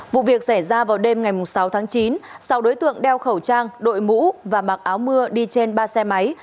vụ việc xảy ra vào đêm ngày sáu tháng chín sau đối tượng đeo khẩu trang đội mũ và mặc áo mưa đi trên ba xe máy